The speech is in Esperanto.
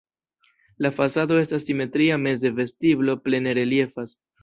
La fasado estas simetria, meze vestiblo plene reliefas.